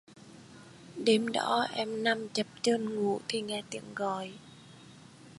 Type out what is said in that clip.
Đêm đó em nằm chập chờn ngủ thì nghe tiếng gọi